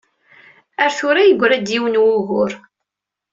Ar tura yeggra-d yiwen wugur.